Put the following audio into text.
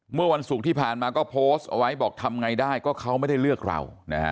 เมื่อวันศุกร์ที่ผ่านมาก็โพสต์เอาไว้บอกทำไงได้ก็เขาไม่ได้เลือกเรานะฮะ